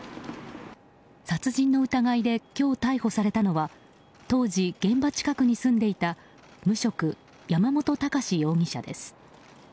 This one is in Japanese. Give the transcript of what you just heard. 殺人の疑いで今日、逮捕されたのは当時、現場近くに住んでいた無職、山本孝容疑者です。